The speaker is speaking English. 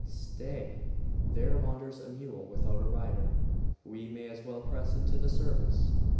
Stay! there wanders a mule without a rider; we may as well press into the service.